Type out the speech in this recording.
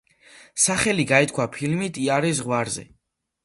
სახელი გაითქვა ფილმით „იარე ზღვარზე“.